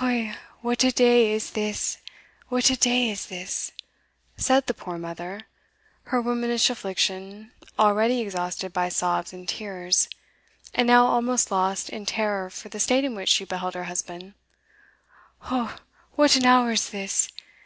"O, what a day is this! what a day is this!" said the poor mother, her womanish affliction already exhausted by sobs and tears, and now almost lost in terror for the state in which she beheld her husband "O, what an hour is this!